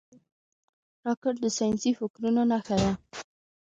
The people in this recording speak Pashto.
راکټ د ساینسي فکرونو نښه ده